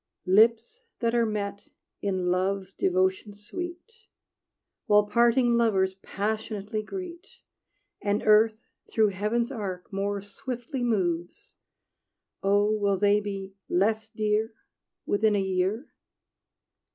Lips that are met in love's Devotion sweet, While parting lovers passionately greet, And earth through heaven's arc more swiftly moves Oh, will they be less dear Within a year?